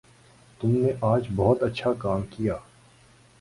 تم نے آج بہت اچھا کام کیا